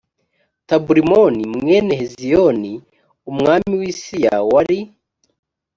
taburimoni mwene heziyoni umwami w i siriya wari